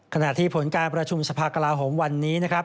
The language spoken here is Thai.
ขณะที่ผลการประชุมสภากลาโหมวันนี้นะครับ